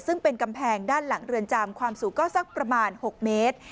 ซึ่งเป็นกำแพงด้านหลังเรือนจำความสูงก็สักประมาณ๖เมตร